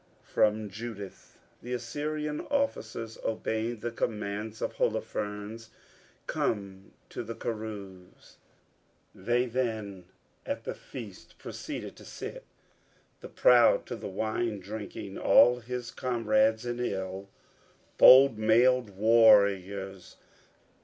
FROM 'JUDITH' [The Assyrian officers, obeying the commands of Holofernes, come to the carouse.] They then at the feast proceeded to sit, The proud to the wine drinking, all his comrades in ill, Bold mailèd warriors.